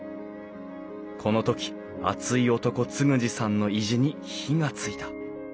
この時熱い男嗣二さんの意地に火がついた